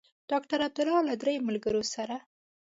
ډاکټر عبدالله له درې ملګرو سره.